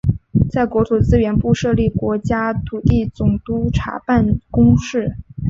在国土资源部设立国家土地总督察办公室。